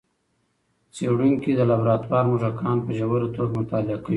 څېړونکي د لابراتوار موږکان په ژوره توګه مطالعه کوي.